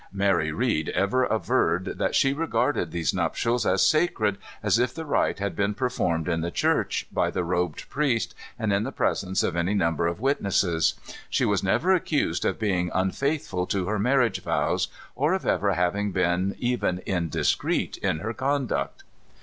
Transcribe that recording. Mary Read ever averred that she regarded those nuptials as sacred as if the rite had been performed in the church, by the robed priest, and in the presence of any number of witnesses. She was never accused of being unfaithful to her marriage vows, or of ever having been even indiscreet in her conduct.